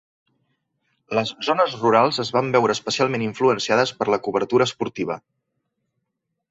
Les zones rurals es van veure especialment influenciades per la cobertura esportiva.